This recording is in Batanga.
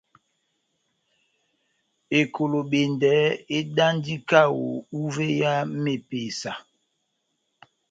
Ekolobendɛ edandi kaho uvé ya mepesa.